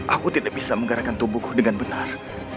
aku tidak bisa menggarakan tubuhku dengan benar